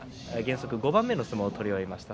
原則５番目の相撲を取り終えました。